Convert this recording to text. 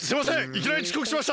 いきなりちこくしました！